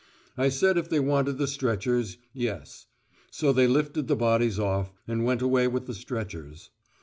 I said if they wanted the stretchers, yes. So they lifted the bodies off, and went away with the stretchers.